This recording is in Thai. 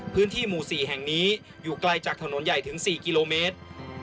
พื้นที่หมู่๔แห่งนี้อยู่ไกลจากถนนใหญ่ถึง๔กิโลเมตร